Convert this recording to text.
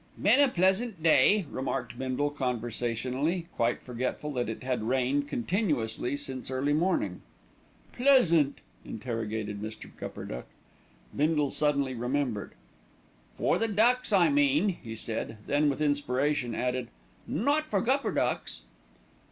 "Been a pleasant day," remarked Bindle conversationally, quite forgetful that it had rained continuously since early morning. "Pleasant!" interrogated Mr. Gupperduck. Bindle suddenly remembered. "For the ducks, I mean," he said; then with inspiration added, "not for Gupperducks."